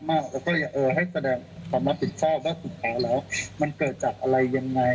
แล้วก็ให้แสดงความรับผิดชอบว่าสุขขาแล้วมันเกิดจากอะไรยังไง